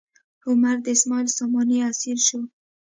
عمر د اسماعیل ساماني اسیر شو.